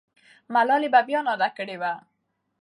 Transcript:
ملالۍ به بیا ناره کړې وي.